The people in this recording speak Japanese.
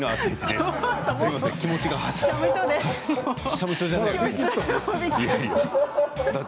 すいません気持ちが先走って。